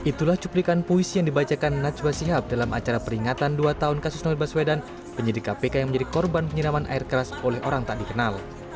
itulah cuplikan puisi yang dibacakan najwa sihab dalam acara peringatan dua tahun kasus novel baswedan penyidik kpk yang menjadi korban penyiraman air keras oleh orang tak dikenal